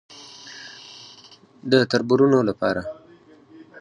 _د تربرونو له پاره.